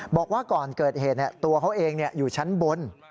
บอกว่าก่อนเกิดเหตุตัวเขาเองอยู่ชั้นบน